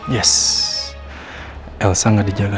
yes elsa gak dijaga